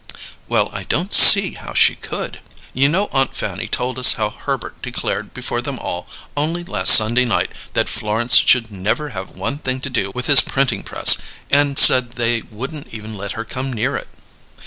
"Well, I don't see how she could. You know Aunt Fanny told us how Herbert declared before them all, only last Sunday night, that Florence should never have one thing to do with his printing press, and said they wouldn't even let her come near it."